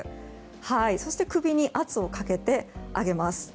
そして首に圧をかけてあげます。